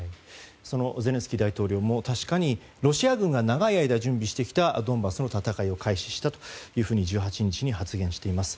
そのゼレンスキー大統領も確かにロシア軍が長い間準備してきたドンバスの戦いを開始したというふうに１８日に発言しています。